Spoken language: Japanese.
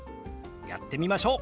やってみましょう。